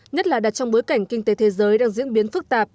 nhất là đặt trong bối cảnh kinh tế thế giới đang diễn biến phức tạp